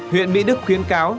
huyện mỹ đức khuyến cáo